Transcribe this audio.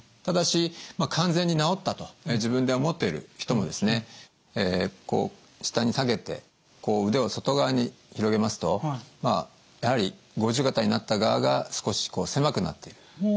ただし完全に治ったと自分で思っている人もですねこう下に下げてこう腕を外側に広げますとまあやはり五十肩になった側が少しこう狭くなっている。